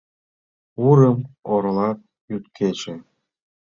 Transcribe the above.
Урым оролат йӱд-кече.